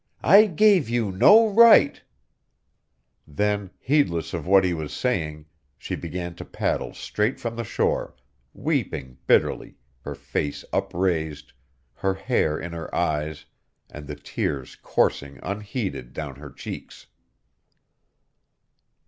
"I gave you no right!" Then, heedless of what he was saying, she began to paddle straight from the shore, weeping bitterly, her face upraised, her hair in her eyes, and the tears coursing unheeded down her cheeks.